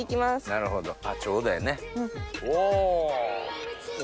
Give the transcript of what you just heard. なるほどちょうどやね。お！